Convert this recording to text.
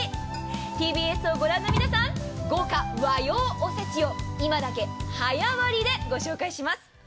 ＴＢＳを御覧の皆さん、豪華和洋おせちを今だけ早割でご紹介します。